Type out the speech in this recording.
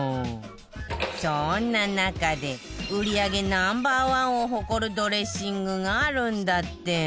そんな中で売り上げ Ｎｏ．１ を誇るドレッシングがあるんだって